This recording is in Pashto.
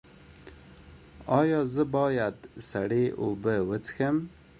ایا زه باید سړې اوبه وڅښم؟